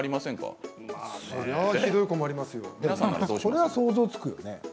これは想像つくよね。